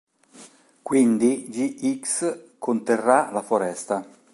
Quindi Gx conterrà la foresta.